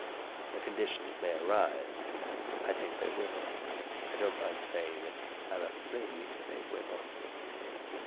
The conditions may arise; I think they will. I don't mind saying that I'm afraid they will."